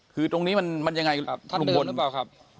คือตรงนี้มันยังไงท่านเดิมหรือเปล่าครับ